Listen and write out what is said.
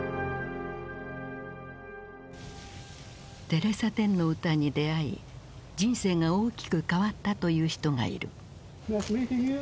テレサ・テンの歌に出会い人生が大きく変わったという人がいる。